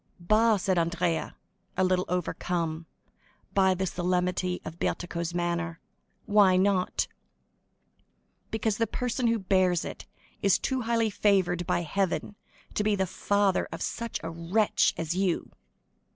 "Bah," said Andrea, a little overcome, by the solemnity of Bertuccio's manner, "why not?" "Because the person who bears it is too highly favored by Heaven to be the father of such a wretch as you."